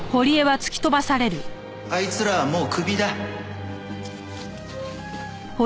あいつらはもうクビだ。